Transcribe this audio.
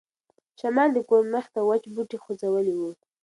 شمال د کور مخې ته وچ بوټي خوځولي وو.